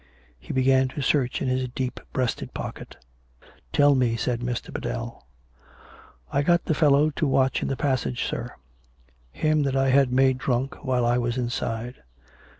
He began to search in his deep breast pocket. " Tell me," said Mr. Biddell. " I got the fellow to watch in the passage, sir; him that I had made drunk, while I was inside.